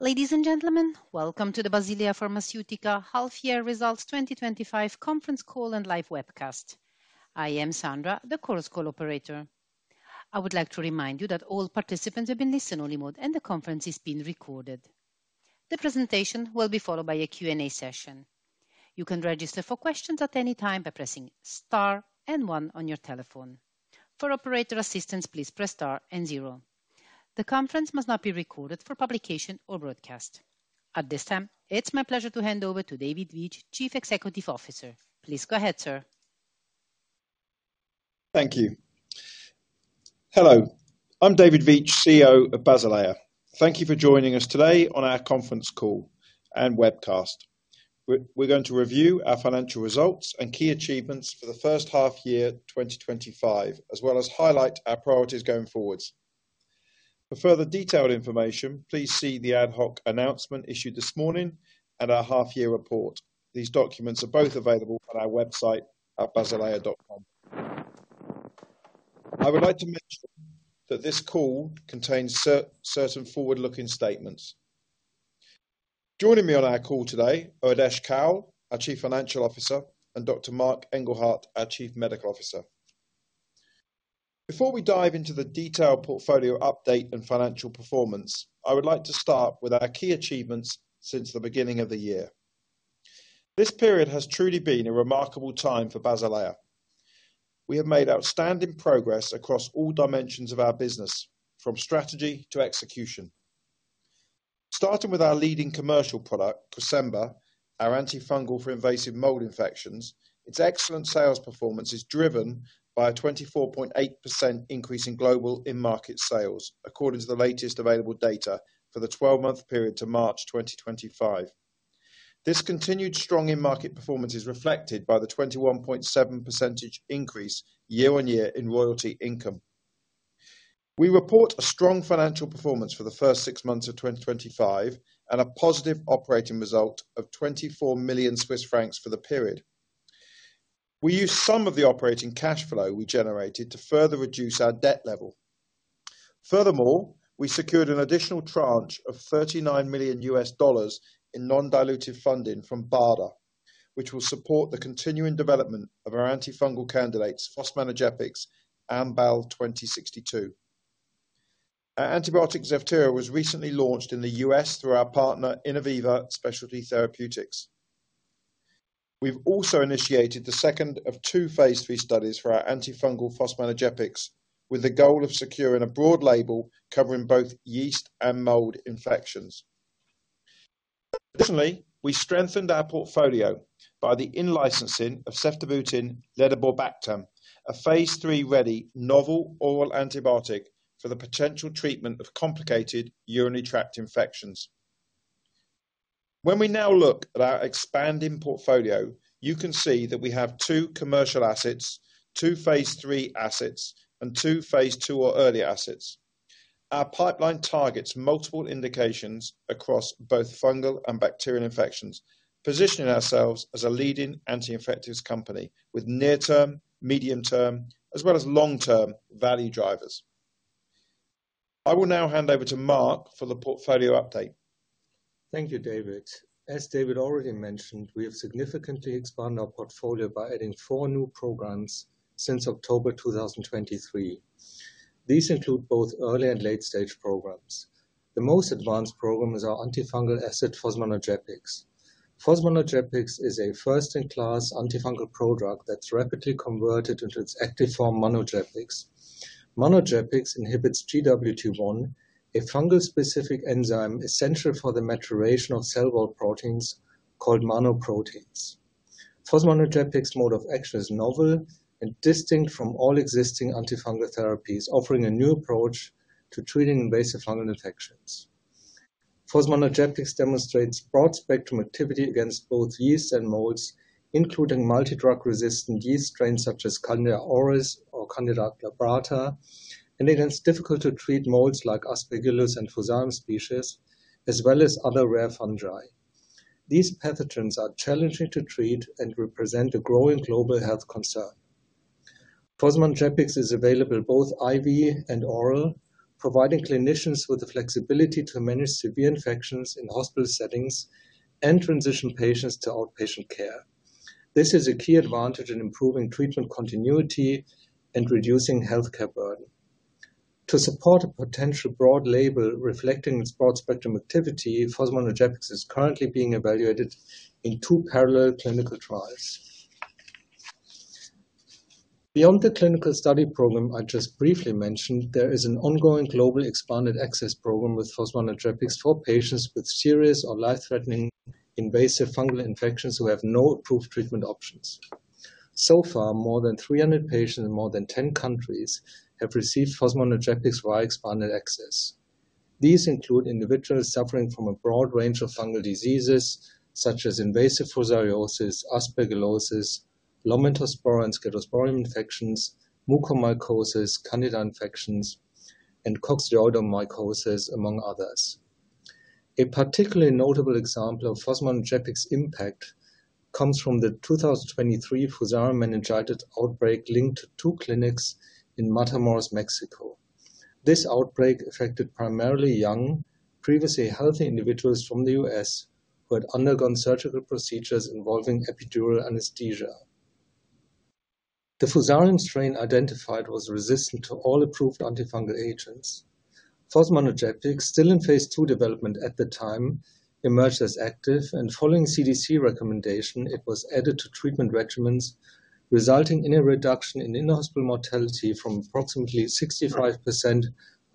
Ladies and gentlemen, welcome to the Basilea Pharmaceutica Half Year Results 2025 Conference Call and Live Webcast. I am Sandra, the call cooperator. I would like to remind you that all participants are in listen-only mode and the conference is being recorded. The presentation will be followed by a Q&A session. You can register for questions at any time by pressing Star and one on your telephone. For operator assistance, please press Star and zero. The conference must not be recorded for publication or broadcast. At this time, it's my pleasure to hand over to David Veitch, Chief Executive Officer. Please go ahead, sir. Thank you. Hello, I'm David Veitch, CEO of Basilea. Thank you for joining us today on our conference call and webcast. We're going to review our financial results and key achievements for the first half year 2025, as well as highlight our priorities going forward. For further detailed information, please see the ad hoc announcement issued this morning and our half-year report. These documents are both available on our website at basilea.com. I would like to mention that this call contains certain forward-looking statements. Joining me on our call today are Adesh Kaul, our Chief Financial Officer, and Dr. Marc Engelhardt, our Chief Medical Officer. Before we dive into the detailed portfolio update and financial performance, I would like to start with our key achievements since the beginning of the year. This period has truly been a remarkable time for Basilea. We have made outstanding progress across all dimensions of our business, from strategy to execution. Starting with our leading commercial product, Cresemba, our antifungal for invasive mold infections, its excellent sales performance is driven by a 24.8% increase in global in-market sales, according to the latest available data for the 12-month period to March 2025. This continued strong in-market performance is reflected by the 21.7% increase year-on-year in royalty income. We report a strong financial performance for the first six months of 2025 and a positive operating result of Fr. 20 million for the period. We use some of the operating cash flow we generated to further reduce our debt level. Furthermore, we secured an additional tranche of $39 million in non-dilutive funding from BARDA, which will support the continuing development of our antifungal candidates, fosmanogepix and BAL2062. Our antibiotic Zevtera was recently launched in the U.S. through our partner Innoviva Specialty Therapeutics. We've also initiated the second of two phase III studies for our antifungal fosmanogepix, with the goal of securing a broad label covering both yeast and mold infections. Additionally, we strengthened our portfolio by the in-licensing of ceftibuten-ledaborbactam, a phase III-ready novel oral antibiotic for the potential treatment of complicated urinary tract infections. When we now look at our expanding portfolio, you can see that we have two commercial assets, two phase III assets, and two phase II or early assets. Our pipeline targets multiple indications across both fungal and bacterial infections, positioning ourselves as a leading anti-infectives company with near-term, medium-term, as well as long-term value drivers. I will now hand over to Marc for the portfolio update. Thank you, David. As David already mentioned, we have significantly expanded our portfolio by adding four new programs since October 2023. These include both early and late-stage programs. The most advanced program is our antifungal asset, fosmanogepix. Fosmanogepix is a first-in-class antifungal product that's rapidly converted into its active form, manogepix. Manogepix inhibits GWT1, a fungal-specific enzyme essential for the maturation of cell wall proteins called mannoproteins. Fosmanogepix's mode of action is novel and distinct from all existing antifungal therapies, offering a new approach to treating invasive fungal infections. Fosmanogepix demonstrates broad-spectrum activity against both yeast and molds, including multidrug-resistant yeast strains such as Candida auris or Candida glabrata, and against difficult-to-treat molds like Aspergillus and Fusarium species, as well as other rare fungi. These pathogens are challenging to treat and represent a growing global health concern. Fosmanogepix is available both IV and oral, providing clinicians with the flexibility to manage severe infections in hospital settings and transition patients to outpatient care. This is a key advantage in improving treatment continuity and reducing healthcare burden. To support a potential broad label reflecting its broad-spectrum activity, fosmanogepix is currently being evaluated in two parallel clinical trials. Beyond the clinical study program I just briefly mentioned, there is an ongoing global expanded access program with fosmanogepix for patients with serious or life-threatening invasive fungal infections who have no approved treatment options. So far, more than 300 patients in more than 10 countries have received fosmanogepix via expanded access. These include individuals suffering from a broad range of fungal diseases such as invasive fusariosis, aspergillosis, Lomentospora and Scedosporium infections, mucormycosis, Candida infections, and coccidioidomycosis, among others. A particularly notable example of fosmanogepix's impact comes from the 2023 Fusarium meningitis outbreak linked to two clinics in Matamoros, Mexico. This outbreak affected primarily young, previously healthy individuals from the U.S., who had undergone surgical procedures involving epidural anesthesia. The Fusarium strain identified was resistant to all approved antifungal agents. Fosmanogepix, still in phase II development at the time, emerged as active, and following CDC recommendation, it was added to treatment regimens, resulting in a reduction in in-hospital mortality from approximately 65% of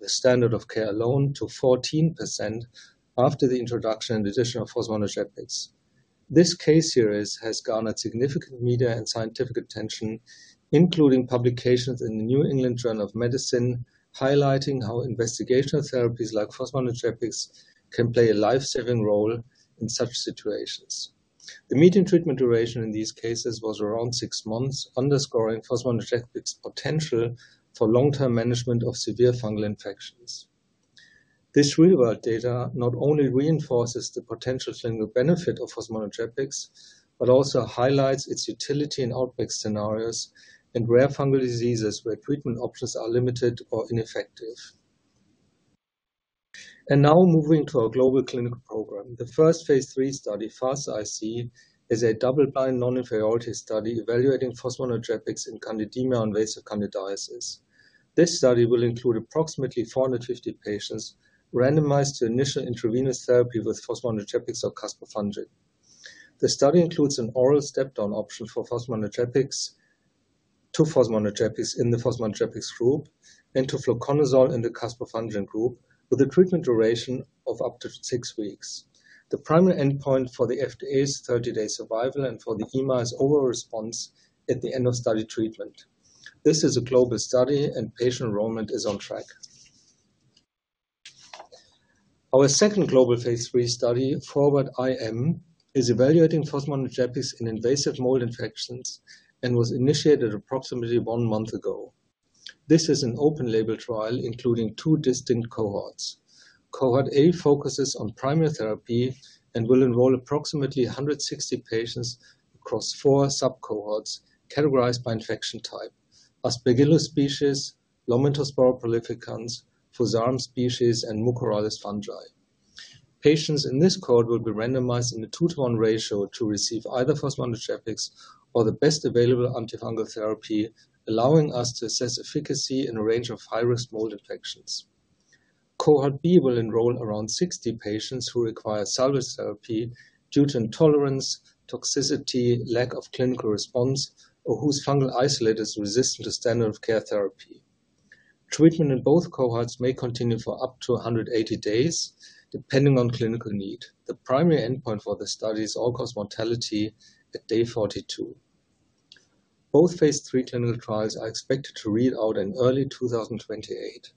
the standard of care alone to 14% after the introduction and addition of fosmanogepix. This case series has garnered significant media and scientific attention, including publications in the New England Journal of Medicine, highlighting how investigational therapies like fosmanogepix can play a lifesaving role in such situations. The median treatment duration in these cases was around six months, underscoring fosmanogepix's potential for long-term management of severe fungal infections. This real-world data not only reinforces the potential clinical benefit of fosmanogepix, but also highlights its utility in outbreak scenarios and rare fungal diseases where treatment options are limited or ineffective. Now moving to our global clinical program, the first phase III study, FAST-IC, is a double-blind non-inferiority study evaluating fosmanogepix in Candida invasive candidiasis. This study will include approximately 450 patients randomized to initial intravenous therapy with fosmanogepix or caspofungin. The study includes an oral step-down option for fosmanogepix, to fosmanogepix in the fosmanogepix group, and to fluconazole in the caspofungin group, with a treatment duration of up to six weeks. The primary endpoint for the FDA is 30-day survival and for the EMA is overall response at the end of study treatment. This is a global study and patient enrollment is on track. Our second global phase III study, FORWAD IM, is evaluating fosmanogepix in invasive mold infections and was initiated approximately one month ago. This is an open-label trial including two distinct cohorts. Cohort A focuses on primary therapy and will enroll approximately 160 patients across four sub-cohorts categorized by infection type: Aspergillus species, Lomentospora prolificans, Fusarium species, and Mucorales fungi. Patients in this cohort will be randomized in a two-to-one ratio to receive either fosmanogepix or the best available antifungal therapy, allowing us to assess efficacy in a range of high-risk mold infections. Cohort B will enroll around 60 patients who require salvage therapy due to intolerance, toxicity, lack of clinical response, or whose fungal isolate is resistant to standard of care therapy. Treatment in both cohorts may continue for up to 180 days, depending on clinical need. The primary endpoint for this study is all-cause mortality at day 42. Both phase III clinical trials are expected to read out in early 2028.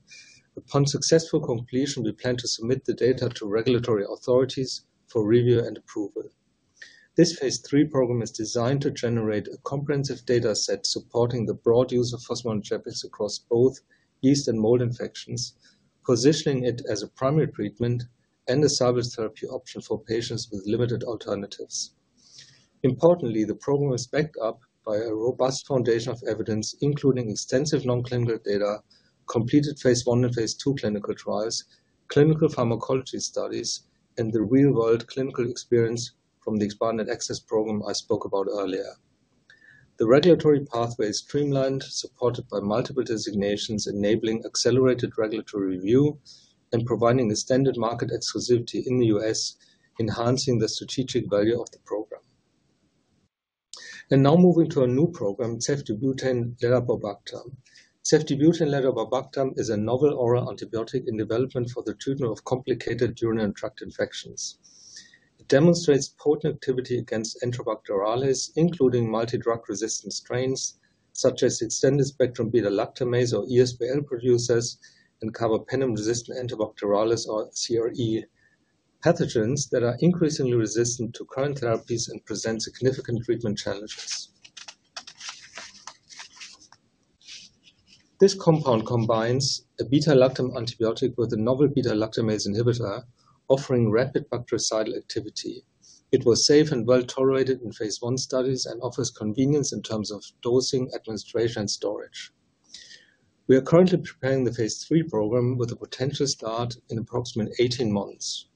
Upon successful completion, we plan to submit the data to regulatory authorities for review and approval. This phase III program is designed to generate a comprehensive data set supporting the broad use of fosmanogepix across both yeast and mold infections, positioning it as a primary treatment and a salvage therapy option for patients with limited alternatives. Importantly, the program is backed up by a robust foundation of evidence, including extensive non-clinical data, completed phase I and phase II clinical trials, clinical pharmacology studies, and the real-world clinical experience from the expanded access program I spoke about earlier. The regulatory pathway is streamlined, supported by multiple designations, enabling accelerated regulatory review and providing a standard market exclusivity in the U.S., enhancing the strategic value of the program. Now moving to a new program, ceftibuten-ledaborbactam. Ceftibuten-ledaborbactam is a novel oral antibiotic in development for the treatment of complicated urinary tract infections. It demonstrates potent activity against Enterobacterales, including multidrug-resistant strains such as extended-spectrum beta-lactamase or ESBL producers and carbapenem-resistant Enterobacterales or CRE pathogens that are increasingly resistant to current therapies and present significant treatment challenges. This compound combines a beta-lactam antibiotic with a novel beta-lactamase inhibitor, offering rapid bactericidal activity. It was safe and well tolerated in phase 1 studies and offers convenience in terms of dosing, administration, and storage. We are currently preparing the phase III program with a potential start in approximately 18 months.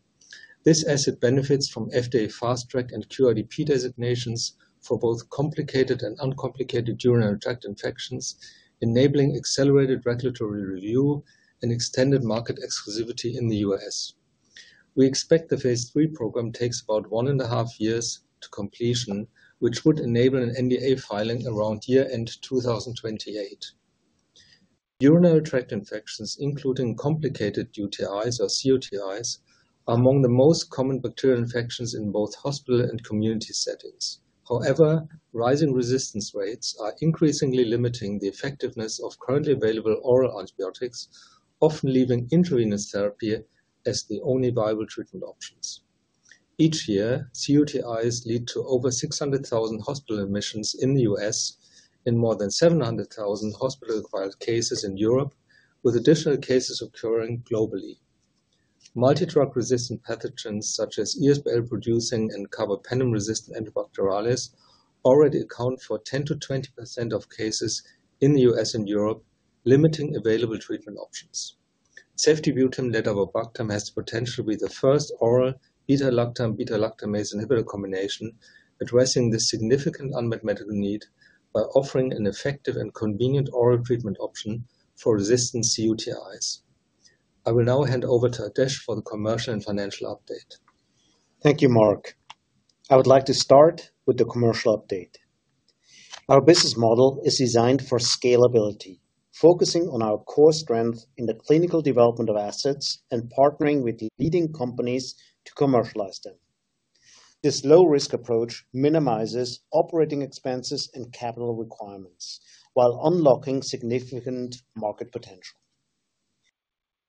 This asset benefits from FDA Fast Track and QIDP designations for both complicated and uncomplicated urinary tract infections, enabling accelerated regulatory review and extended market exclusivity in the U.S. We expect the phase III program takes about 1.5 years to completion, which would enable an NDA filing around year-end 2028. Urinary tract infections, including complicated UTIs or CUTIs, are among the most common bacterial infections in both hospital and community settings. However, rising resistance rates are increasingly limiting the effectiveness of currently available oral antibiotics, often leaving intravenous therapy as the only viable treatment options. Each year, complicated urinary tract infections lead to over 600,000 hospital admissions in the U.S., and more than 700,000 hospital-acquired cases in Europe, with additional cases occurring globally. Multidrug-resistant pathogens such as ESBL-producing and carbapenem-resistant Enterobacterales already account for 10%-20% of cases in the U.S., and Europe, limiting available treatment options. .Ceftibuten-ledaborbactam has the potential to be the first oral beta-lactam/beta-lactamase inhibitor combination, addressing the significant unmet medical need by offering an effective and convenient oral treatment option for resistant complicated urinary tract infections. I will now hand over to Adesh for the commercial and financial update. Thank you, Marc. I would like to start with the commercial update. Our business model is designed for scalability, focusing on our core strength in the clinical development of assets and partnering with the leading companies to commercialize them. This low-risk approach minimizes operating expenses and capital requirements while unlocking significant market potential.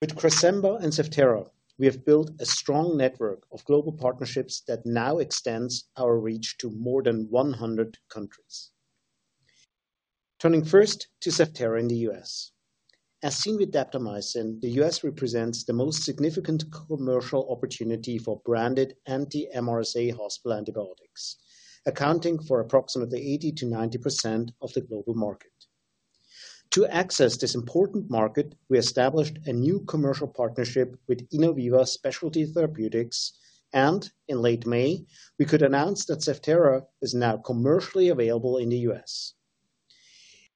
With Cresemba and Zevtera, we have built a strong network of global partnerships that now extends our reach to more than 100 countries. Turning first to Zevtera in the U.S. As seen with daptomycin, the U.S, represents the most significant commercial opportunity for branded anti-MRSA hospital antibiotics, accounting for approximately 80%-90% of the global market. To access this important market, we established a new commercial partnership with Innoviva Specialty Therapeutics, and in late May, we could announce that Zevtera is now commercially available in the U.S.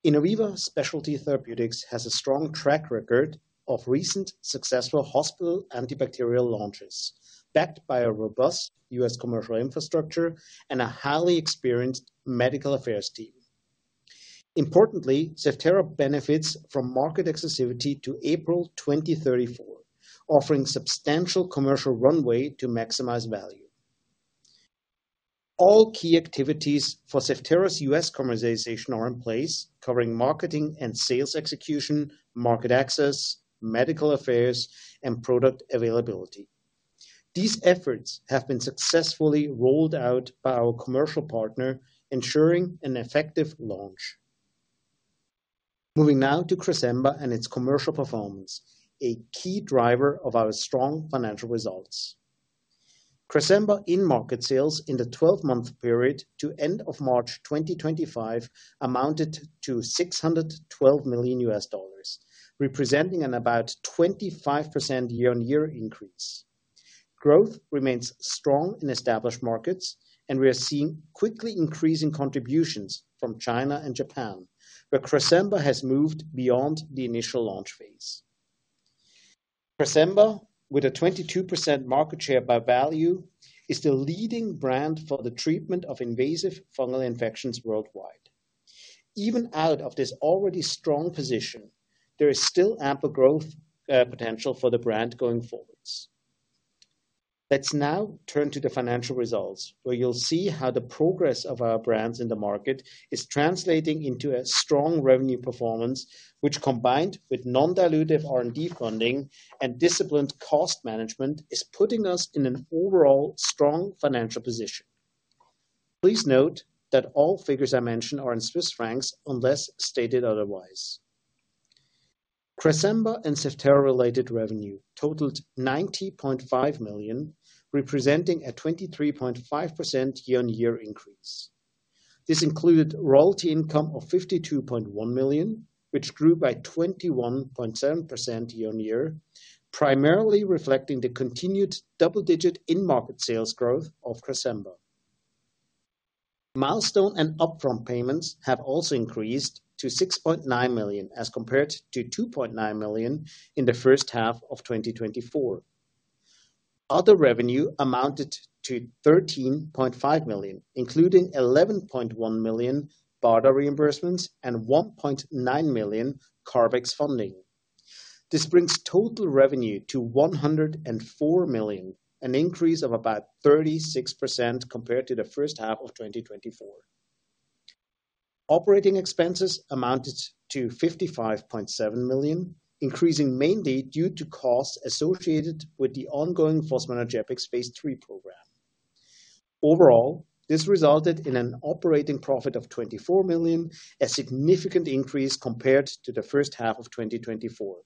Innoviva Specialty Therapeutics has a strong track record of recent successful hospital antibacterial launches, backed by a robust U.S., commercial infrastructure and a highly experienced medical affairs team. Importantly, Zevtera benefits from market exclusivity to April 2034, offering substantial commercial runway to maximize value. All key activities for Zevtera's U.S., commercialization are in place, covering marketing and sales execution, market access, medical affairs, and product availability. These efforts have been successfully rolled out by our commercial partner, ensuring an effective launch. Moving now to Cresemba and its commercial performance, a key driver of our strong financial results. Cresemba's in-market sales in the 12-month period to end of March 2025 amounted to $612 million, representing an about 25% year-on-year increase. Growth remains strong in established markets, and we are seeing quickly increasing contributions from China and Japan, where Cresemba has moved beyond the initial launch phase. Cresemba, with a 22% market share by value, is the leading brand for the treatment of invasive fungal infections worldwide. Even out of this already strong position, there is still ample growth potential for the brand going forwards. Let's now turn to the financial results, where you'll see how the progress of our brands in the market is translating into a strong revenue performance, which, combined with non-dilutive R&D funding and disciplined cost management, is putting us in an overall strong financial position. Please note that all figures I mention are in Swiss francs, unless stated otherwise. Cresemba and Zevtera-related revenue totaled Fr. 90.5 million, representing a 23.5% year-on-year increase. This included royalty income of Fr. 52.1 million, which grew by 21.7% year-on-year, primarily reflecting the continued double-digit in-market sales growth of Cresemba. Milestone and upfront payments have also increased to Fr. 6.9 million as compared to Fr. 2.9 million in the first half of 2024. Other revenue amounted to Fr. 13.5 million, including Fr. 11.1 million BARDA reimbursements and Fr. 1.9 million CARB-X funding. This brings total revenue to Fr. 104 million, an increase of about 36% compared to the first half of 2024. Operating expenses amounted to Fr. 55.7 million, increasing mainly due to costs associated with the ongoing fosmanogepix phase III program. Overall, this resulted in an operating profit of Fr. 24 million, a significant increase compared to the first half of 2024.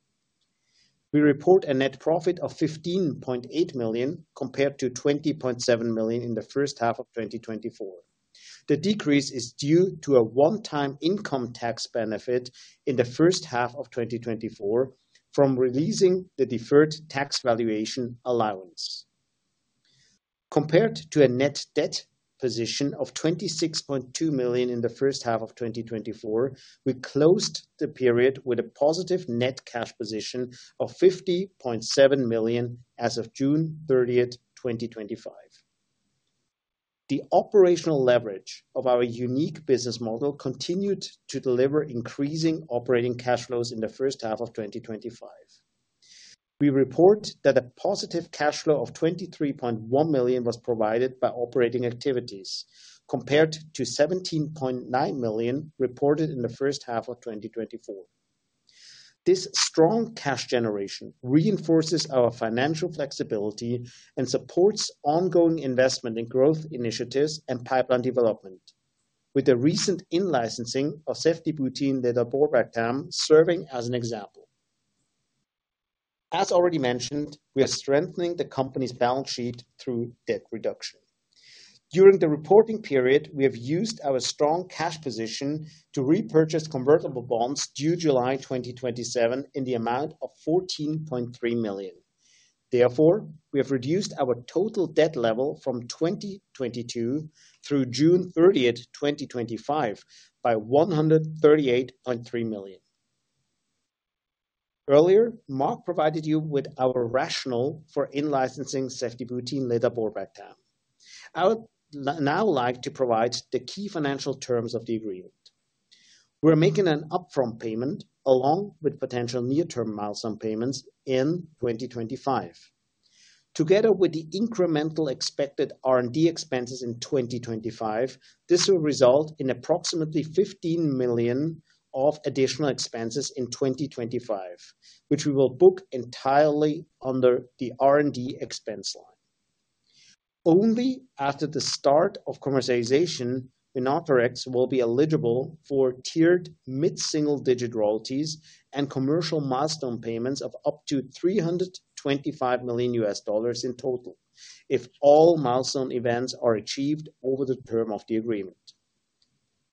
We report a net profit of Fr. 15.8 million compared to Fr. 20.7 million in the first half of 2024. The decrease is due to a one-time income tax benefit in the first half of 2024 from releasing the deferred tax valuation allowance. Compared to a net debt position of Fr. 26.2 million in the first half of 2024, we closed the period with a positive net cash position of Fr. 50.7 million as of June 30th, 2025. The operational leverage of our unique business model continued to deliver increasing operating cash flows in the first half of 2025. We report that a positive cash flow of Fr. 23.1 million was provided by operating activities, compared to Fr. 17.9 million reported in the first half of 2024. This strong cash generation reinforces our financial flexibility and supports ongoing investment in growth initiatives and pipeline development, with the recent in-licensing of ceftibuten-ledaborbactam serving as an example. As already mentioned, we are strengthening the company's balance sheet through debt reduction. During the reporting period, we have used our strong cash position to repurchase convertible bonds due July 2027 in the amount of Fr. 14.3 million. Therefore, we have reduced our total debt level from 2022 through June 30th, 2025, by Fr. 138.3 million. Earlier, Marc provided you with our rationale for in-licensing ceftibuten-ledaborbactam. I would now like to provide the key financial terms of the agreement. We are making an upfront payment along with potential near-term milestone payments in 2025. Together with the incremental expected R&D expenses in 2025, this will result in approximately $15 million of additional expenses in 2025, which we will book entirely under the R&D expense line. Only after the start of commercialization, Innoviva Specialty Therapeutics will be eligible for tiered mid-single-digit royalties and commercial milestone payments of up to $325 million in total, if all milestone events are achieved over the term of the agreement.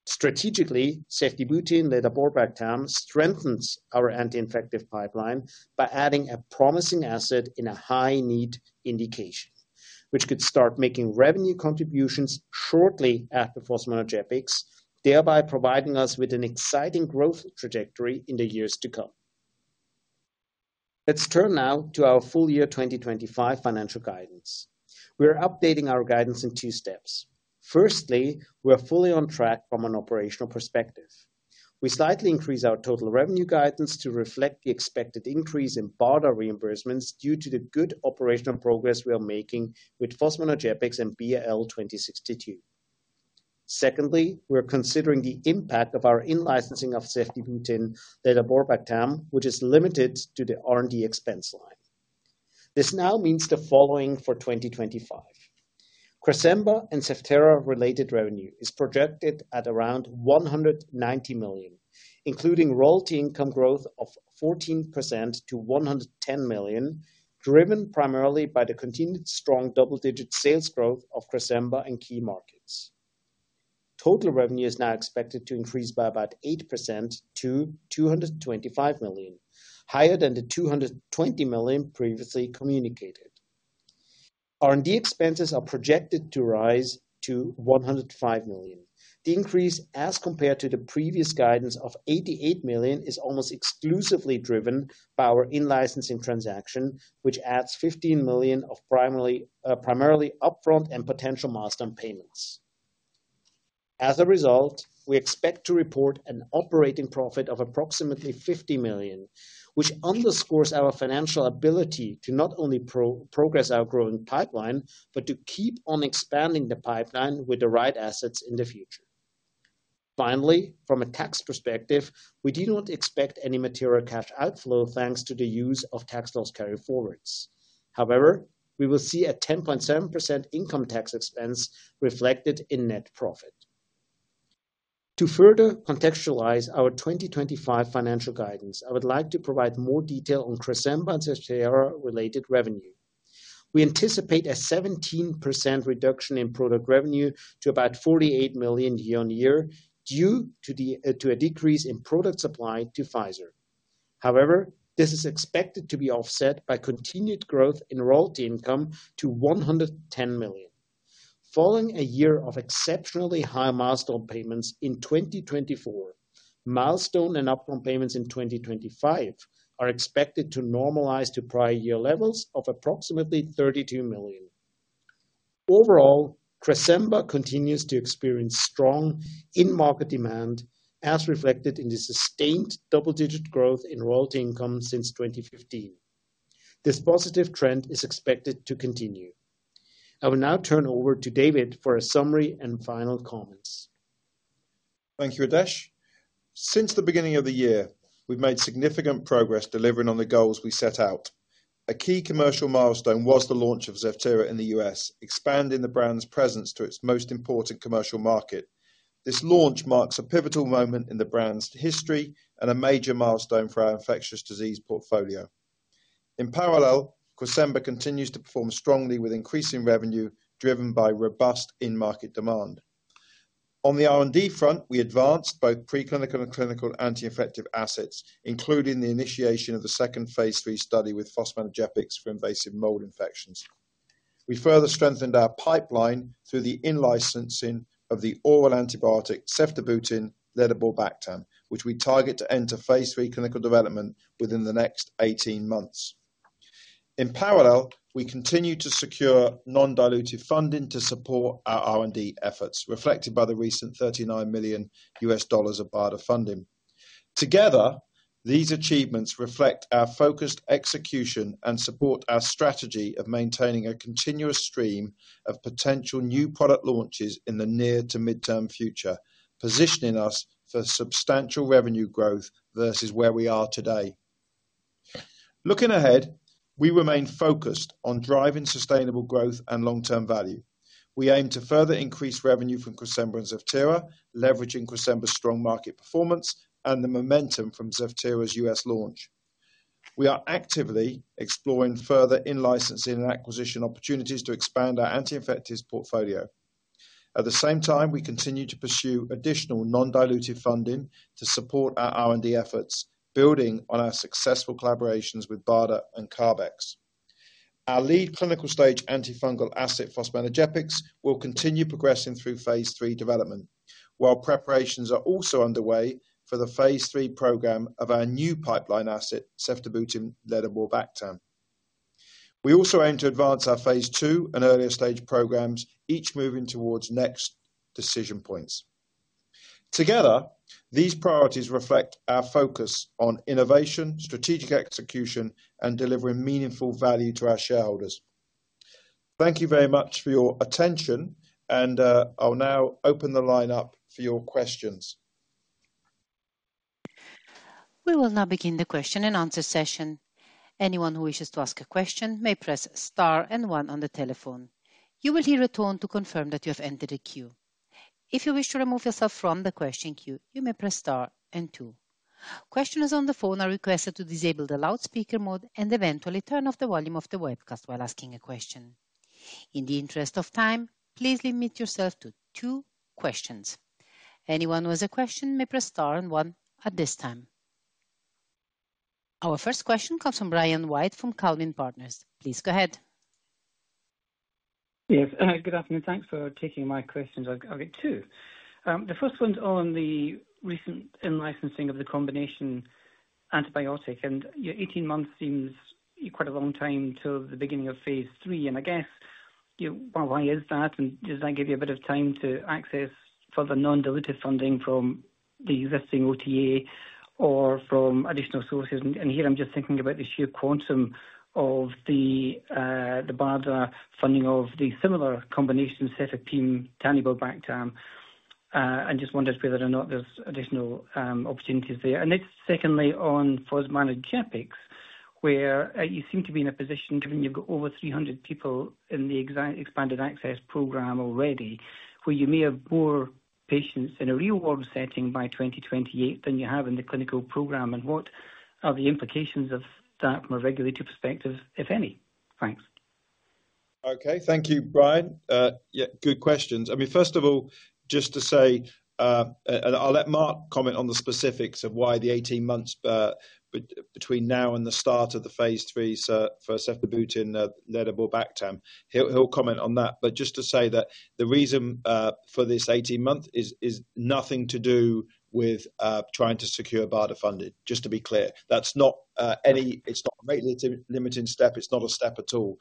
Strategically, ceftibuten-ledaborbactam strengthens our anti-infective pipeline by adding a promising asset in a high-need indication, which could start making revenue contributions shortly after fosmanogepix, thereby providing us with an exciting growth trajectory in the years to come. Let's turn now to our full-year 2025 financial guidance. We are updating our guidance in two steps. Firstly, we are fully on track from an operational perspective. We slightly increased our total revenue guidance to reflect the expected increase in BARDA reimbursements due to the good operational progress we are making with fosmanogepix and BAL2062. Secondly, we are considering the impact of our in-licensing of ceftibuten-ledaborbactam, which is limited to the R&D expense line. This now means the following for 2025. Cresemba and Zevtera-related revenue is projected at around $190 million, including royalty income growth of 14% to $110 million, driven primarily by the continued strong double-digit sales growth of Cresemba and key markets. Total revenue is now expected to increase by about 8% to $225 million, higher than the $220 million previously communicated. R&D expenses are projected to rise to $105 million. The increase, as compared to the previous guidance of $88 million, is almost exclusively driven by our in-licensing transaction, which adds $15 million of primarily upfront and potential milestone payments. As a result, we expect to report an operating profit of approximately $50 million, which underscores our financial ability to not only progress our growing pipeline, but to keep on expanding the pipeline with the right assets in the future. Finally, from a tax perspective, we do not expect any material cash outflow thanks to the use of tax loss carryforwards. However, we will see a 10.7% income tax expense reflected in net profit. To further contextualize our 2025 financial guidance, I would like to provide more detail on Cresemba and Zevtera-related revenue. We anticipate a 17% reduction in product revenue to about $48 million year-on-year due to a decrease in product supply to Pfizer. However, this is expected to be offset by continued growth in royalty income to $110 million. Following a year of exceptionally high milestone payments in 2024, milestone and upfront payments in 2025 are expected to normalize to prior year levels of approximately $32 million. Overall, Cresemba continues to experience strong in-market demand, as reflected in the sustained double-digit growth in royalty income since 2015. This positive trend is expected to continue. I will now turn over to David for a summary and final comments. Thank you, Adesh. Since the beginning of the year, we've made significant progress delivering on the goals we set out. A key commercial milestone was the launch of Zevtera in the U.S., expanding the brand's presence to its most important commercial market. This launch marks a pivotal moment in the brand's history and a major milestone for our infectious disease portfolio. In parallel, Cresemba continues to perform strongly with increasing revenue driven by robust in-market demand. On the R&D front, we advanced both preclinical and clinical anti-infective assets, including the initiation of the second phase III study with fosmanogepix for invasive mold infections. We further strengthened our pipeline through the in-licensing of the oral antibiotic ceftibuten-ledaborbactam, which we target to enter phase III clinical development within the next 18 months. In parallel, we continue to secure non-dilutive funding to support our R&D efforts, reflected by the recent $39 million of BARDA funding. Together, these achievements reflect our focused execution and support our strategy of maintaining a continuous stream of potential new product launches in the near to mid-term future, positioning us for substantial revenue growth versus where we are today. Looking ahead, we remain focused on driving sustainable growth and long-term value. We aim to further increase revenue from Cresemba and Zevtera, leveraging Cresemba's strong market performance and the momentum from Zevtera's U.S., launch. We are actively exploring further in-licensing and acquisition opportunities to expand our anti-infectives portfolio. At the same time, we continue to pursue additional non-dilutive funding to support our R&D efforts, building on our successful collaborations with BARDA and CARB-X. Our lead clinical stage antifungal asset, fosmanogepix, will continue progressing through phase III development, while preparations are also underway for the phase III program of our new pipeline asset, ceftibuten-ledaborbactam. We also aim to advance our phase II and earlier stage programs, each moving towards next decision points. Together, these priorities reflect our focus on innovation, strategic execution, and delivering meaningful value to our shareholders. Thank you very much for your attention, and I'll now open the line up for your questions. We will now begin the question and answer session. Anyone who wishes to ask a question may press star and one on the telephone. You will hear a tone to confirm that you have entered a queue. If you wish to remove yourself from the question queue, you may press Star and two. Questioners on the phone are requested to disable the loudspeaker mode and eventually turn off the volume of the webcast while asking a question. In the interest of time, please limit yourself to two questions. Anyone who has a question may press star and one at this time. Our first question comes from Brian White from Calvin Partners. Please go ahead. Yes, good afternoon. Thanks for taking my questions. I've got two. The first one's on the recent in-licensing of the combination antibiotic, and your 18 months seems quite a long time till the beginning of phase III. I guess, you know, why is that? Does that give you a bit of time to access further non-dilutive funding from the existing OTA or from additional sources? Here I'm just thinking about the sheer quantum of the BARDA funding of the similar combination cefepime and danibarbactam. I just wondered whether or not there's additional opportunities there. It's secondly on fosmanogepix, where you seem to be in a position, given you've got over 300 people in the expanded access program already, where you may have more patients in a real-world setting by 2028 than you have in the clinical program. What are the implications of that from a regulatory perspective, if any? Thanks. Okay, thank you, Brian. Yeah, good questions. First of all, just to say, and I'll let Marc comment on the specifics of why the 18 months between now and the start of the phase III, so for ceftibuten-ledaborbactam, he'll comment on that. Just to say that the reason for this 18 months is nothing to do with trying to secure BARDA funding. Just to be clear, that's not any, it's not a rate limiting step. It's not a step at all.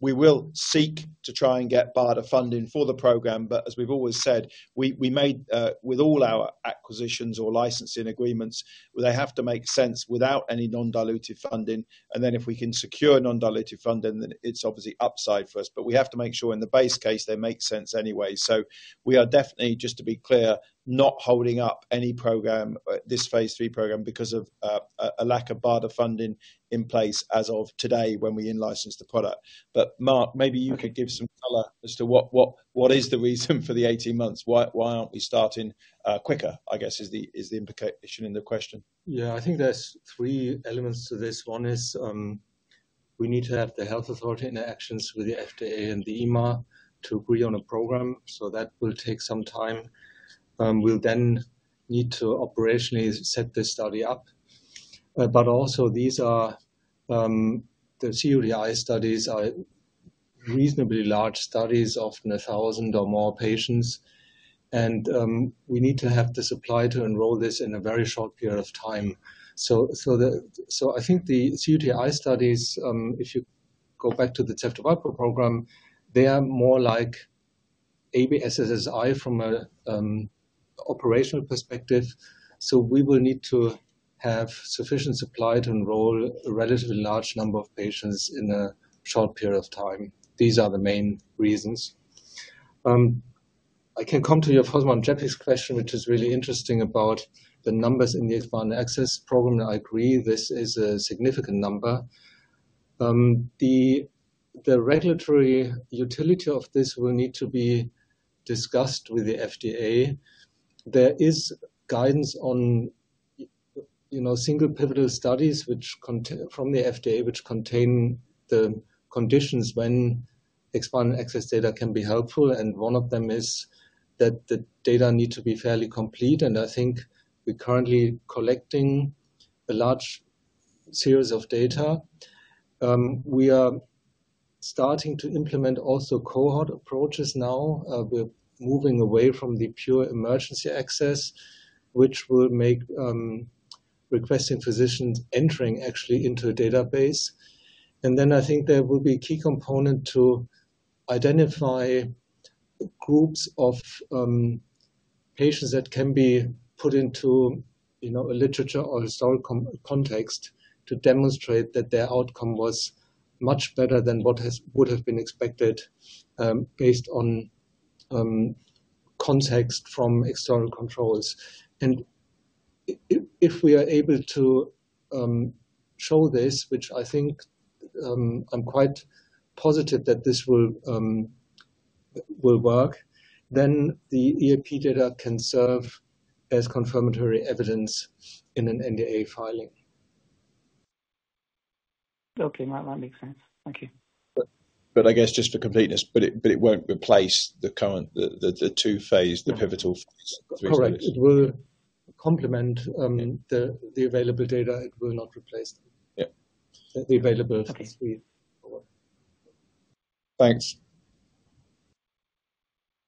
We will seek to try and get BARDA funding for the program, but as we've always said, we made with all our acquisitions or licensing agreements, they have to make sense without any non-dilutive funding. If we can secure non-dilutive funding, then it's obviously upside for us. We have to make sure in the base case they make sense anyway. We are definitely, just to be clear, not holding up any program, this phase III program, because of a lack of BARDA funding in place as of today when we in-license the product. Marc, maybe you could give some color as to what is the reason for the 18 months? Why aren't we starting quicker, I guess, is the implication in the question. Yeah, I think there's three elements to this. One is we need to have the health authority interactions with the FDA and the EMR to agree on a program. That will take some time. We'll then need to operationally set this study up. These are the CUTI studies, which are reasonably large studies, often a thousand or more patients, and we need to have the supply to enroll this in a very short period of time. I think the CUTI studies, if you go back to the ceftibuten-ledaborbactam program, are more like ABSSSI from an operational perspective. We will need to have sufficient supply to enroll a relatively large number of patients in a short period of time. These are the main reasons. I can come to your fosmanogepix question, which is really interesting about the numbers in the expanded access program. I agree, this is a significant number. The regulatory utility of this will need to be discussed with the FDA. There is guidance on single pivotal studies from the FDA, which contain the conditions when expanded access data can be helpful. One of them is that the data need to be fairly complete. I think we're currently collecting a large series of data. We are starting to implement also cohort approaches now. We're moving away from the pure emergency access, which will make requesting physicians enter actually into a database. I think there will be a key component to identify groups of patients that can be put into, you know, a literature or a sole context to demonstrate that their outcome was much better than what would have been expected based on context from external controls. If we are able to show this, which I think I'm quite positive that this will work, then the EAP data can serve as confirmatory evidence in an NDA filing. Okay, that makes sense. Thank you. I guess just to complete this, it won't replace the current, the two phase, the pivotal phase. Correct. It will complement the available data. It will not replace the availability. Thanks. Thanks!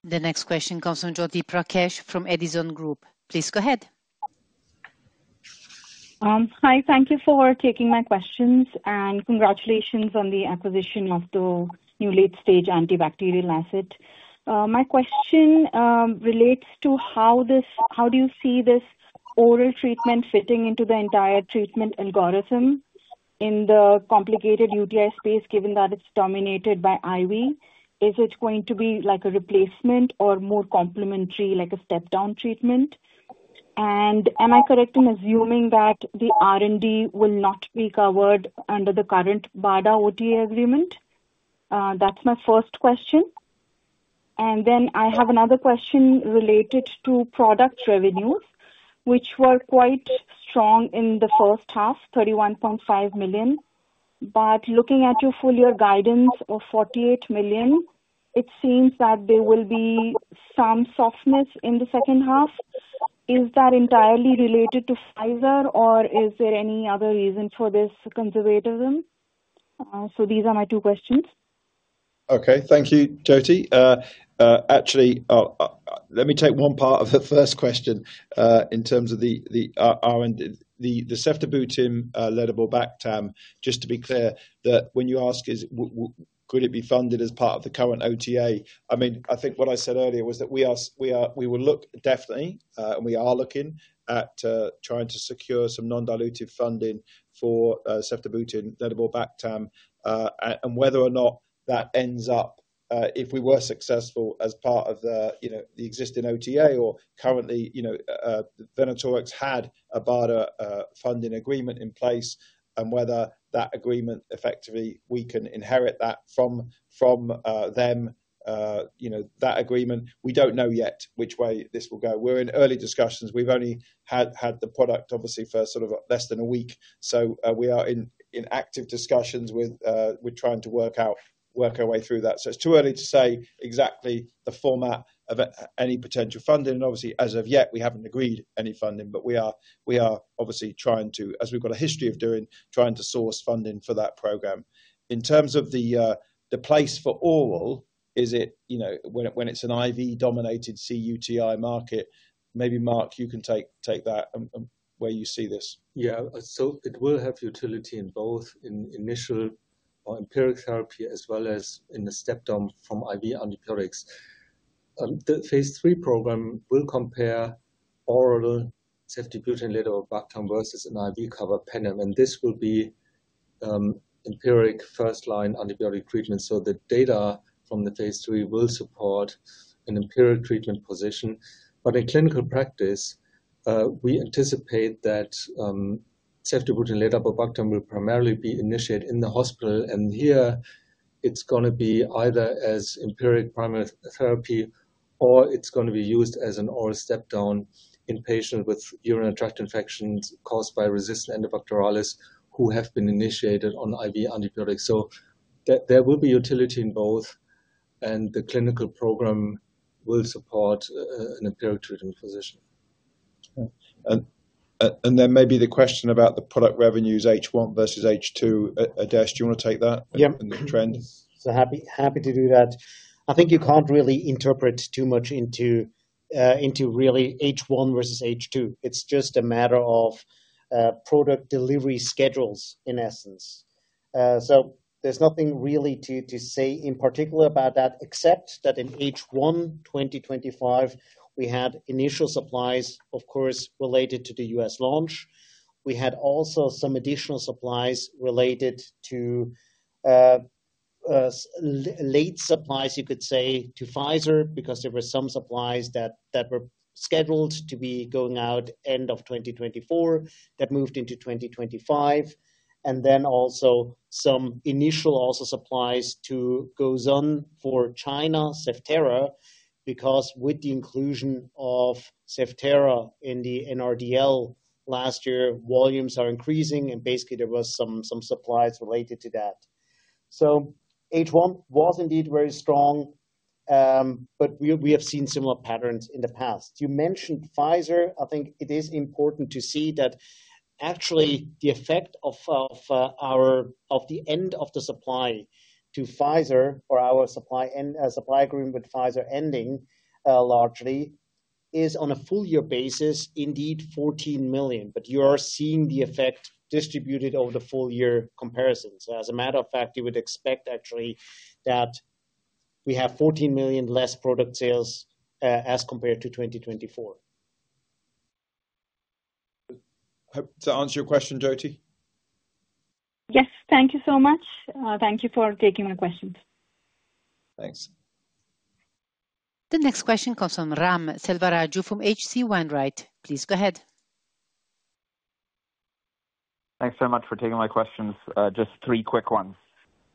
The next question comes from Jyoti Prakash from Edison Group. Please go ahead. Hi, thank you for taking my questions and congratulations on the acquisition of the new late-stage antibacterial asset. My question relates to how this, how do you see this oral treatment fitting into the entire treatment algorithm in the complicated UTI space, given that it's dominated by IV? Is it going to be like a replacement or more complementary, like a step-down treatment? Am I correct in assuming that the R&D will not be covered under the current BARDA OTA agreement? That's my first question. I have another question related to product revenues, which were quite strong in the first half, $31.5 million. Looking at your full-year guidance of $48 million, it seems that there will be some softness in the second half. Is that entirely related to Pfizer or is there any other reason for this conservatism? These are my two questions. Okay, thank you, Jyoti. Actually, let me take one part of the first question in terms of the ceftibuten-ledaborbactam. Just to be clear, that when you ask, could it be funded as part of the current OTA? I mean, I think what I said earlier was that we will look definitely, and we are looking at trying to secure some non-dilutive funding for ceftibuten-ledaborbactam and whether or not that ends up, if we were successful as part of the existing OTA or currently, you know, Venatorx had a BARDA funding agreement in place and whether that agreement effectively we can inherit that from them, you know, that agreement. We don't know yet which way this will go. We're in early discussions. We've only had the product, obviously, for sort of less than a week. We are in active discussions with trying to work out, work our way through that. It's too early to say exactly the format of any potential funding. Obviously, as of yet, we haven't agreed any funding, but we are obviously trying to, as we've got a history of doing, trying to source funding for that program. In terms of the place for oral, is it, you know, when it's an IV-dominated CUTI market? Maybe Marc, you can take that and where you see this. Yeah, so it will have utility in both initial or empiric therapy, as well as in the step-down from IV antibiotics. The phase III program will compare oral ceftibuten-ledaborbactam versus an IV carbapenem. This will be empiric first-line antibiotic treatment. The data from the phase III will support an empiric treatment position. In clinical practice, we anticipate that ceftibuten-ledaborbactam will primarily be initiated in the hospital. Here it's going to be either as empiric primary therapy or it's going to be used as an oral step-down in patients with urinary tract infections caused by resistant Enterobacterales, who have been initiated on IV antibiotics. There will be utility in both, and the clinical program will support an empiric treatment position. Maybe the question about the product revenues, H1 versus H2. Adesh, do you want to take that and the trend? Happy to do that. I think you can't really interpret too much into really H1 versus H2. It's just a matter of product delivery schedules, in essence. There's nothing really to say in particular about that, except that in H1 2025, we had initial supplies, of course, related to the U.S., launch. We had also some additional supplies related to late supplies, you could say, to Pfizer, because there were some supplies that were scheduled to be going out end of 2024 that moved into 2025. Also, some initial supplies to Gosun for China, Zevtera, because with the inclusion of Zevtera in the NRDL last year, volumes are increasing, and basically there were some supplies related to that. H1 was indeed very strong, but we have seen similar patterns in the past. You mentioned Pfizer. I think it is important to see that actually the effect of the end of the supply to Pfizer, or our supply agreement with Pfizer ending largely, is on a full-year basis, indeed $14 million. You are seeing the effect distributed over the full-year comparison. As a matter of fact, you would expect actually that we have $14 million less product sales as compared to 2024. To answer your question, Jyoti? Yes, thank you so much. Thank you for taking my questions. Thanks. The next question comes from Raghuram Selvaraju from H.C. Wainwright. Please go ahead. Thanks so much for taking my questions. Just three quick ones.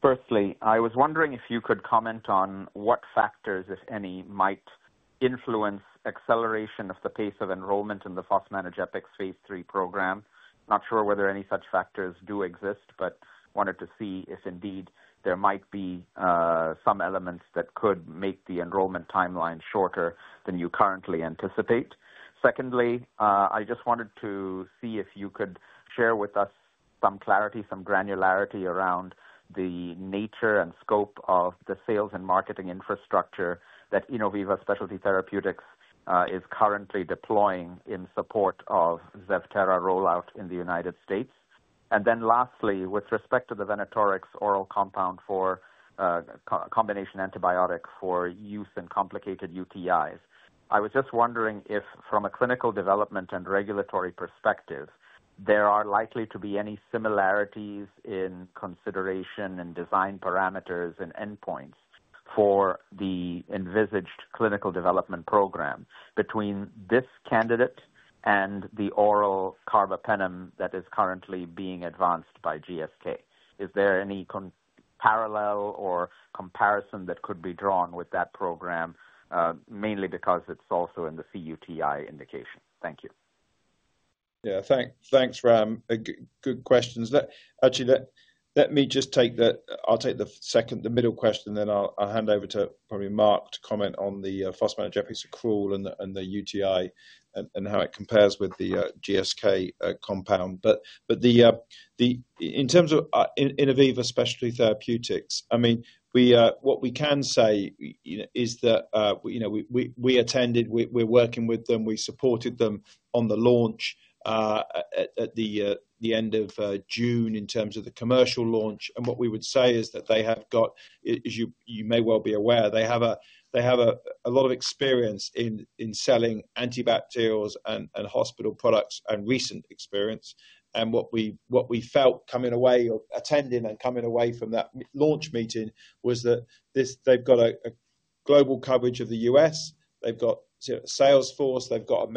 Firstly, I was wondering if you could comment on what factors, if any, might influence the acceleration of the pace of enrollment in the fosmanogepix phase III program. Not sure whether any such factors do exist, but wanted to see if indeed there might be some elements that could make the enrollment timeline shorter than you currently anticipate. Secondly, I just wanted to see if you could share with us some clarity, some granularity around the nature and scope of the sales and marketing infrastructure that Innoviva Specialty Therapeutics is currently deploying in support of Zevtera rollout in the U.S. Lastly, with respect to the ceftibuten-ledaborbactam oral compound for a combination antibiotic for use in complicated urinary tract infections, I was just wondering if from a clinical development and regulatory perspective, there are likely to be any similarities in consideration and design parameters and endpoints for the envisaged clinical development program between this candidate and the oral carbapenem that is currently being advanced by GSK. Is there any parallel or comparison that could be drawn with that program, mainly because it's also in the CUTI indication? Thank you. Yeah, thanks, Ram. Good questions. Actually, let me just take the, I'll take the second, the middle question, and then I'll hand over to probably Marc to comment on the fosmanogepix accrual and the UTI and how it compares with the GSK compound. In terms of Innoviva Specialty Therapeutics, what we can say is that we attended, we're working with them, we supported them on the launch at the end of June in terms of the commercial launch. What we would say is that they have got, as you may well be aware, a lot of experience in selling antibacterials and hospital products and recent experience. What we felt coming away or attending and coming away from that launch meeting was that they've got a global coverage of the U.S. They've got a sales force, they've got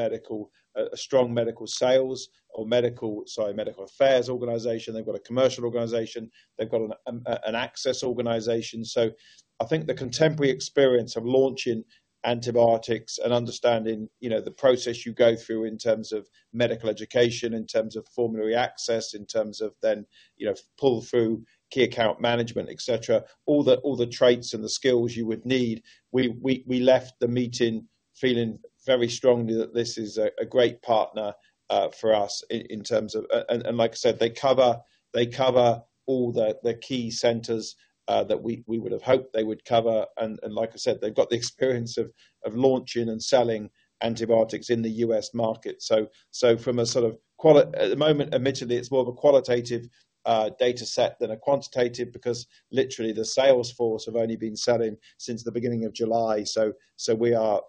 a strong medical sales or medical, sorry, medical affairs organization. They've got a commercial organization. They've got an access organization. I think the contemporary experience of launching antibiotics and understanding the process you go through in terms of medical education, in terms of formulary access, in terms of then pull through key account management, etc., all the traits and the skills you would need. We left the meeting feeling very strongly that this is a great partner for us in terms of, and like I said, they cover all the key centers that we would have hoped they would cover. Like I said, they've got the experience of launching and selling antibiotics in the U.S., market. From a sort of quality, at the moment, admittedly, it's more of a qualitative data set than a quantitative because literally the sales force have only been selling since the beginning of July. We are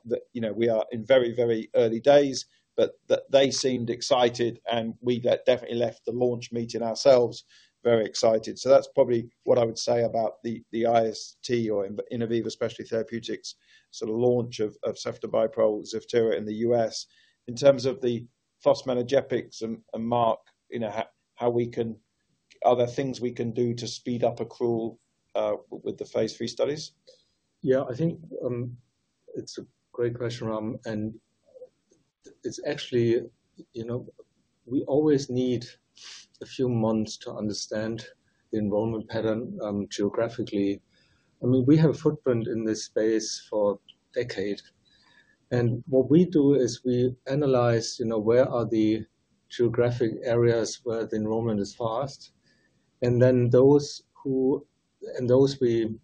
in very, very early days, but they seemed excited and we definitely left the launch meeting ourselves very excited. That's probably what I would say about the IST or Innoviva Specialty Therapeutics sort of launch of ceftobiprole and Zevtera in the U.S. In terms of the fosmanogepix and Marc, you know, how we can, are there things we can do to speed up accrual with the phase III studies? Yeah, I think it's a great question, Ram. It's actually, you know, we always need a few months to understand the enrollment pattern geographically. I mean, we have a footprint in this space for a decade. What we do is we analyze, you know, where are the geographic areas where the enrollment is fast. Those we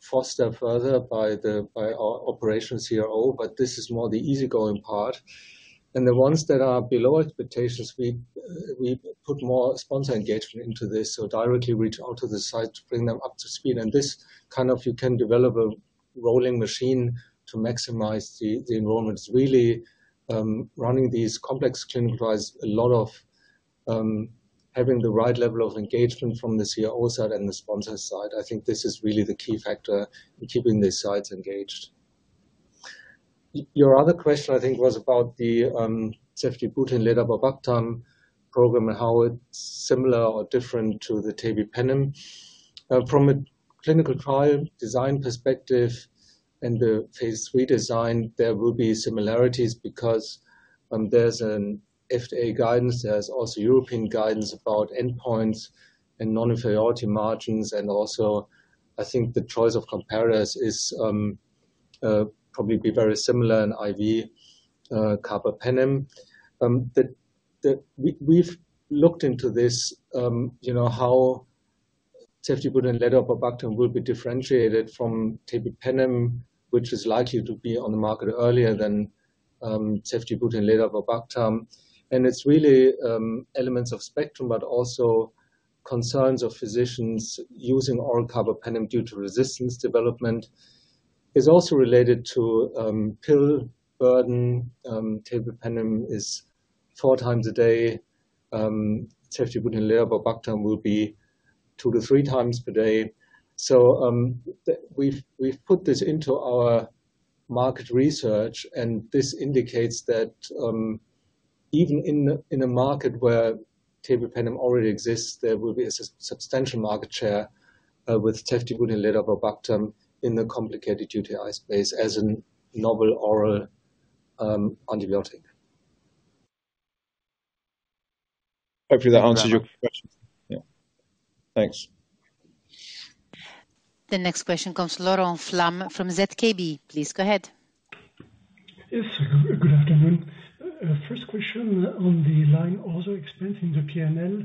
foster further by our operations CRO, but this is more the easygoing part. The ones that are below expectations, we put more spontaneous engagement into this. We directly reach out to the sites, bring them up to speed. This kind of, you can develop a rolling machine to maximize the enrollment. It's really running these complex clinical trials, a lot of having the right level of engagement from the CRO side and the sponsor side. I think this is really the key factor in keeping these sites engaged. Your other question, I think, was about the ceftibuten-ledaborbactam program and how it's similar or different to the tebipenem. From a clinical trial design perspective and the phase III design, there will be similarities because there's an FDA guidance. There's also European guidance about endpoints and non-inferiority margins. I think the choice of comparators is probably very similar in IV carbapenem. We've looked into this, you know, how ceftibuten-ledaborbactam will be differentiated from tebipenem, which is likely to be on the market earlier than ceftibuten-ledaborbactam. It's really elements of spectrum, but also concerns of physicians using oral carbapenem due to resistance development. It's also related to pill burden. Tebipenem is four times a day. Ceftibuten-ledaborbactam will be two to three times per day. We've put this into our market research, and this indicates that even in a market where tebipenem already exists, there will be a substantial market share with ceftibuten-ledaborbactam in the complicated UTI space as a novel oral antibiotic. Hopefully, that answers your question. Yeah, thanks. The next question comes from Laurent Flamme from ZKB. Please go ahead. Yes, good afternoon. First question on the line item auto expense in the P&L.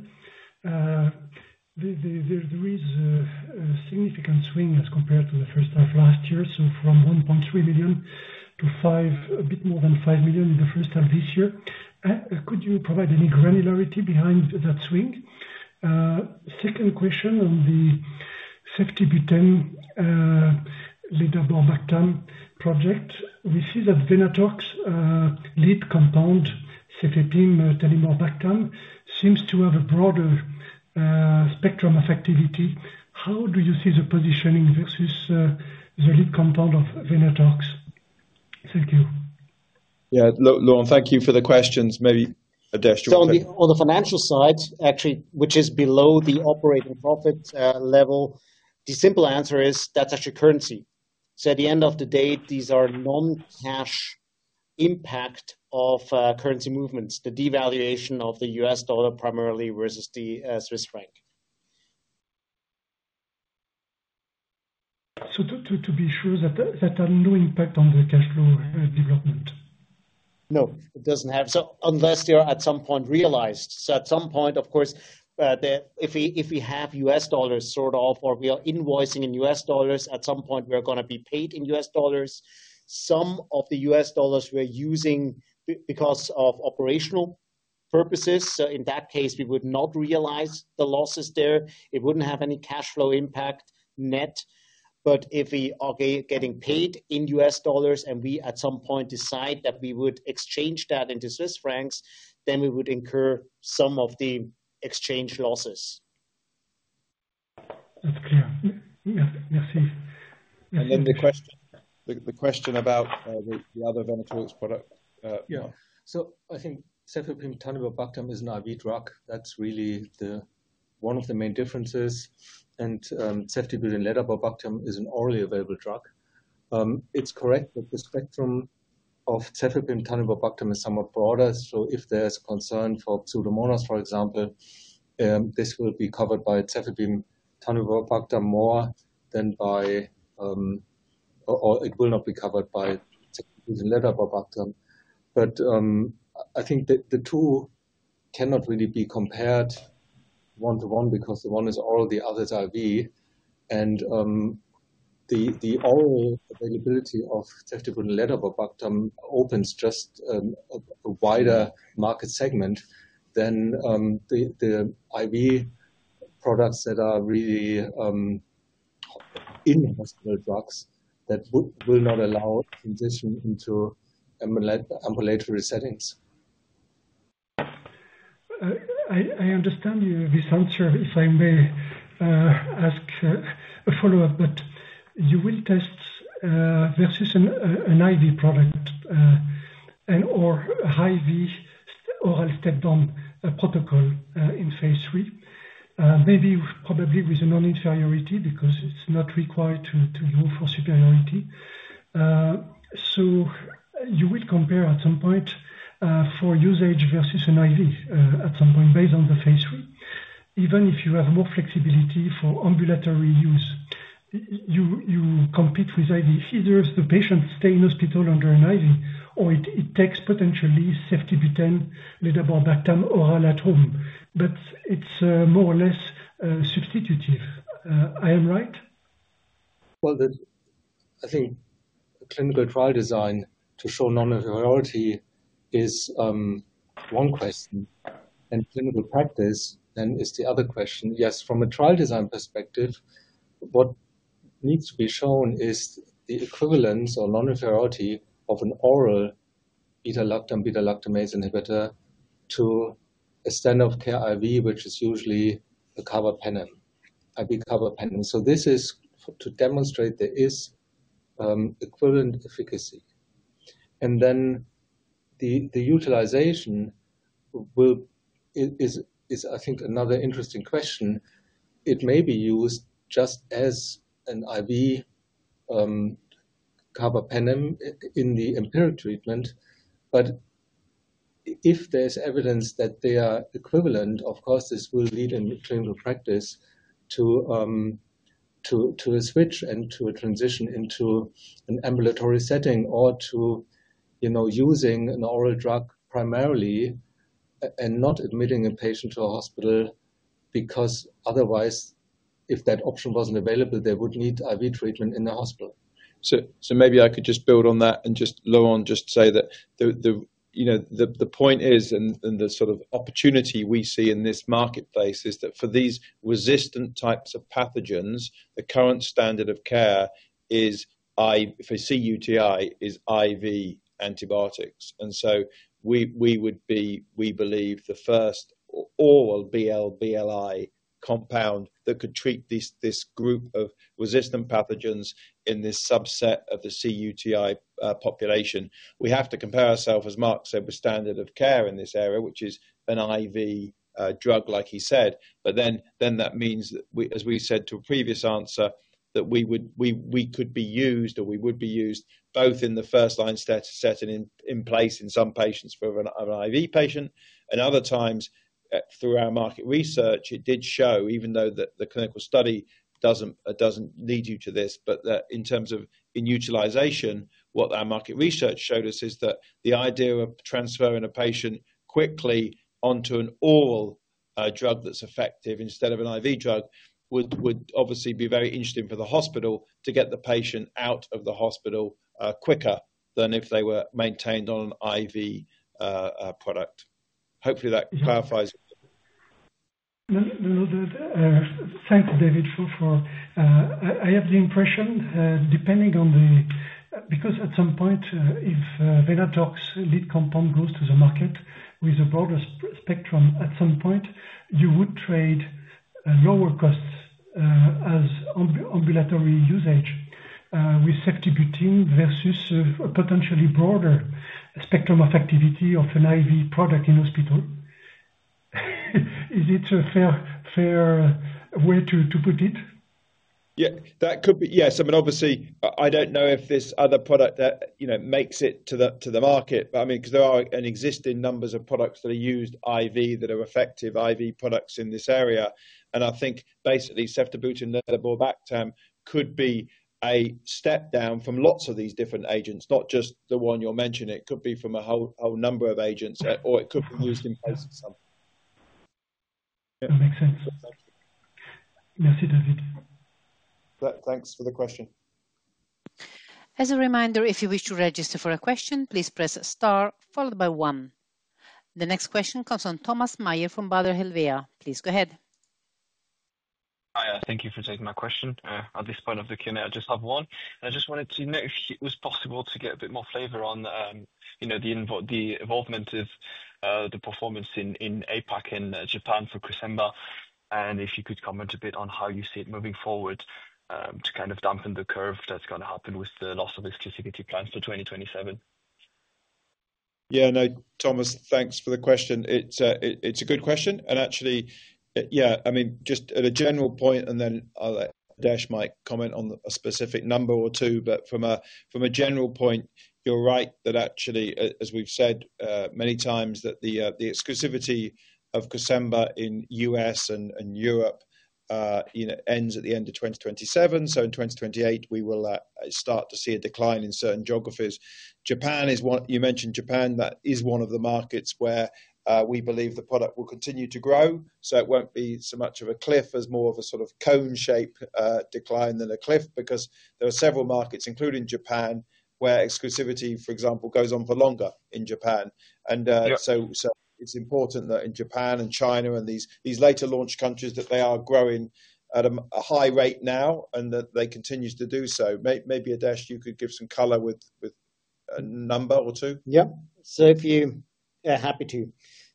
There is a significant swing as compared to the first half last year, so from $1.3 million to a bit more than $5 million in the first half this year. Could you provide any granularity behind that swing? Second question on the ceftibuten-ledaborbactam project. We see that Venetorex lead compound ceftibuten-ledaborbactam seems to have a broader spectrum of activity. How do you see the positioning versus the lead compound of Venetorex? Thank you. Yeah, Laurent, thank you for the questions. Maybe Adesh. On the financial side, actually, which is below the operating profit level, the simple answer is that's actually currency. At the end of the day, these are non-cash impact of currency movements, the devaluation of the U.S., dollar primarily versus the Swiss franc. To be sure that that's a low impact on the cash flow development. No, it doesn't have, unless they're at some point realized. At some point, of course, if we have U.S., dollars or we are invoicing in U.S., dollars, at some point we are going to be paid in U.S., dollars. Some of the U.S., dollars we're using because of operational purposes. In that case, we would not realize the losses there. It wouldn't have any cash flow impact net. If we are getting paid in U.S., dollars and we at some point decide that we would exchange that into Swiss francs, then we would incur some of the exchange losses. That's clear. Yeah, I see. The question about the other Venetorex product. Yeah, so I think cefepime-taniborbactam is an IV drug. That's really one of the main differences. And ceftibuten-ledaborbactam is an orally available drug. It's correct that the spectrum of cefepime-taniborbactam is somewhat broader. If there's a concern for Pseudomonas, for example, this will be covered by cefepime-taniborbactam more than by, or it will not be covered by ceftibuten-ledaborbactam. I think the two cannot really be compared one-to-one because the one is oral, the other is IV. The oral availability of ceftibuten-ledaborbactam opens just a wider market segment than the IV products that are really in-hospital drugs that will not allow transition into ambulatory settings. I understand you have a sound service, so I may ask a follow-up, but you will test versus an IV product and/or a high-IV oral step-down protocol in phase III, maybe probably with a non-inferiority because it's not required to move for superiority. You would compare at some point for usage versus an IV at some point based on the phase III. Even if you have more flexibility for ambulatory use, you compete with IV. Either the patient stays in hospital under an IV, or takes potentially ceftibuten-ledaborbactam oral at home. It's more or less substitutive. I am right? I think clinical trial design to show non-inferiority is one question, and clinical practice then is the other question. Yes, from a trial design perspective, what needs to be shown is the equivalence or non-inferiority of an oral beta-lactam/beta-lactamase inhibitor to a standard of care IV, which is usually an IV carbapenem. This is to demonstrate there is equivalent efficacy. The utilization is, I think, another interesting question. It may be used just as an IV carbapenem in the empiric treatment. If there's evidence that they are equivalent, of course, this will lead in clinical practice to a switch and to a transition into an ambulatory setting or to, you know, using an oral drug primarily and not admitting a patient to a hospital because otherwise, if that option wasn't available, they would need IV treatment in the hospital. Maybe I could just build on that, Laurent, and just say that the point is, and the sort of opportunity we see in this marketplace is that for these resistant types of pathogens, the current standard of care is, if a CUTI, is IV antibiotics. We would be, we believe, the first oral BLI compound that could treat this group of resistant pathogens in this subset of the CUTI population. We have to compare ourselves, as Marc said, with standard of care in this area, which is an IV drug, like he said. That means, as we said to a previous answer, that we could be used, or we would be used, both in the first-line status set and in place in some patients for an IV patient. Other times, through our market research, it did show, even though the clinical study doesn't lead you to this, but in terms of utilization, what our market research showed us is that the idea of transferring a patient quickly onto an oral drug that's effective instead of an IV drug would obviously be very interesting for the hospital to get the patient out of the hospital quicker than if they were maintained on an IV product. Hopefully, that clarifies. Thank you, David. So far, I have the impression, depending on the... because at some point, if Venetorex lead compound goes to the market with a broader spectrum, at some point, you would trade lower costs as ambulatory usage with ceftibuten-ledaborbactam versus a potentially broader spectrum of activity of an IV product in hospital. Is it a fair way to put it? Yeah, that could be, yes. I mean, obviously, I don't know if this other product that, you know, makes it to the market, but I mean, because there are existing numbers of products that are used IV that are effective IV products in this area. I think basically ceftibuten-ledaborbactam could be a step down from lots of these different agents, not just the one you're mentioning. It could be from a whole number of agents, or it could be used in. That makes sense. I see, David. Thanks for the question. As a reminder, if you wish to register for a question, please press Star followed by one. The next question comes from Thomas Meyer from Baader Helvea. Please go ahead. Thank you for taking my question. At this point of the Q&A, I just have one. I just wanted to know if it was possible to get a bit more flavor on, you know, the evolvement of the performance in APAC and Japan for Cresemba, and if you could comment a bit on how you see it moving forward to kind of dampen the curve that's going to happen with the loss of exclusivity plans for 2027. Yeah, no, Thomas, thanks for the question. It's a good question. Actually, just at a general point, and then Adesh might comment on a specific number or two, from a general point, you're right that actually, as we've said many times, the exclusivity of Cresemba in the U.S., and Europe ends at the end of 2027. In 2028, we will start to see a decline in certain geographies. Japan is one, you mentioned Japan, that is one of the markets where we believe the product will continue to grow. It won't be so much of a cliff as more of a sort of cone-shape decline than a cliff because there are several markets, including Japan, where exclusivity, for example, goes on for longer in Japan. It's important that in Japan and China and these later launch countries that they are growing at a high rate now and that they continue to do so. Maybe Adesh, you could give some color with a number or two? Yeah, happy to.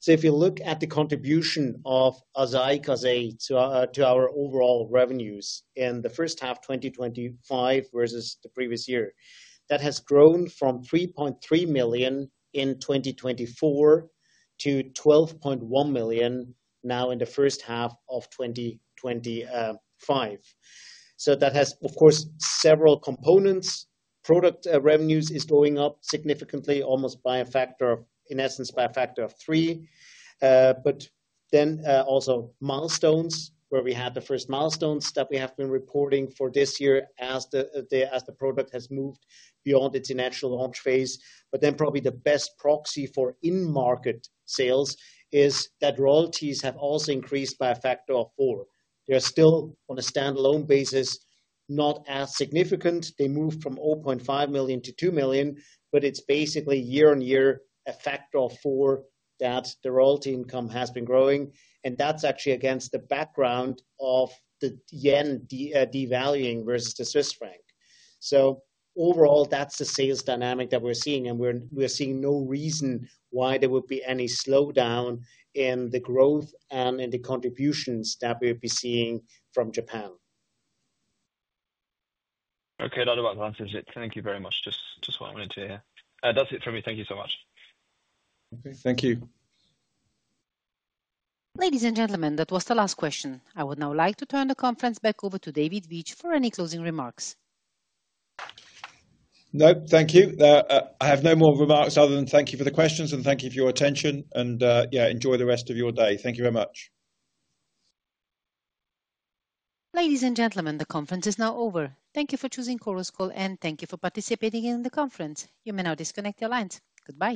If you look at the contribution of Cresemba to our overall revenues in the first half of 2025 versus the previous year, that has grown from Fr. 3.3 million in 2024 to Fr. 12.1 million now in the first half of 2025. That has, of course, several components. Product revenues are going up significantly, almost by a factor, in essence, by a factor of three. Also, milestones, where we had the first milestones that we have been reporting for this year as the product has moved beyond its natural launch phase. Probably the best proxy for in-market sales is that royalties have also increased by a factor of four. They're still on a standalone basis, not as significant. They moved from Fr. 0.5 million to Fr. 2 million, but it's basically year on year a factor of four that the royalty income has been growing. That's actually against the background of the yen devaluing versus the Swiss franc. Overall, that's the sales dynamic that we're seeing, and we're seeing no reason why there would be any slowdown in the growth and in the contributions that we'll be seeing from Japan. Okay, that about answers it. Thank you very much. Just what I wanted to hear. That's it from me. Thank you so much. Okay, thank you. Ladies and gentlemen, that was the last question. I would now like to turn the conference back over to David Veitch for any closing remarks. Thank you. I have no more remarks other than thank you for the questions and thank you for your attention. Enjoy the rest of your day. Thank you very much. Ladies and gentlemen, the conference is now over. Thank you for choosing Chorus Call and thank you for participating in the conference. You may now disconnect your lines. Goodbye.